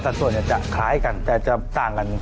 สัดส่วนจะคล้ายกันแต่จะต่างกัน